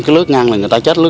không ngần ngại nguy hiểm